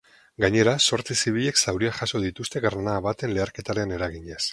Gainera, zortzi zibilek zauriak jaso dituzte granada baten leherketaren eraginez.